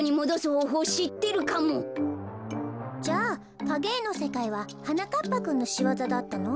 じゃあかげえのせかいははなかっぱくんのしわざだったの？